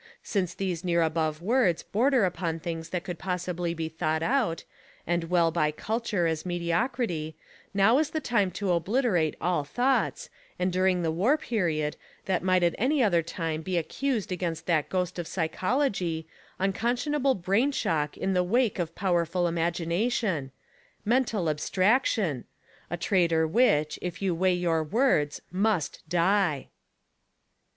Since these near above words border upon things that could possibly be thought out, and well by culture as mediocrity, now is the time to obliterate all thoughts, and during the war period, that might at any other time be accused against that ghost of psychology — uncon sdonable brain shock in the wake of powerful imagination: 'Mental abstrac tion : 'A traitor which, if you weigh your words, must die